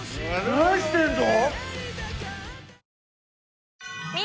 何してんの？